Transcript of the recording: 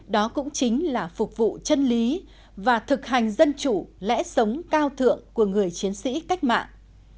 đó cũng chính là phục vụ chân lý và thực hành dân chủ lẽ sống cao thượng của người chiến sĩ cách mạng